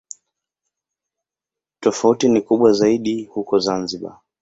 Tofauti ni kubwa zaidi huko Zanzibar.